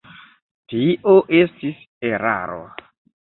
Tio estis eraro.